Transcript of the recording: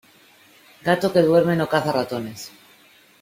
Gato que duerme no caza ratones.